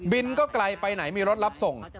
ก็ไกลไปไหนมีรถรับส่ง